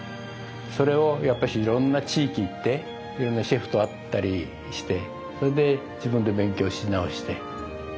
それをやっぱしいろんな地域行っていろんなシェフと会ったりしてそれで自分で勉強し直して。